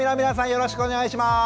よろしくお願いします。